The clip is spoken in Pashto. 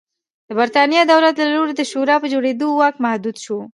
د برېټانیا دولت له لوري د شورا په جوړېدو واک محدود شو.